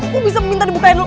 gue bisa minta dibukain dulu